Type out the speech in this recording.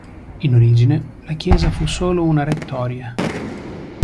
In origine la chiesa fu solo una rettoria.